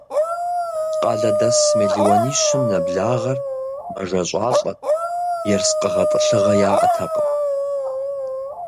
Къалэдэс мелуанищым нэблагъэр мэжэщӀалӀэт, ерыскъы гъэтӀылъыгъэ яӀэтэкъым.